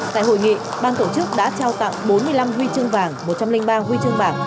tại hội nghị ban tổ chức đã trao tặng bốn mươi năm huy chương vàng một trăm linh ba huy chương bạc